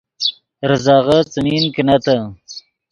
ریزغے څیمین کینتّے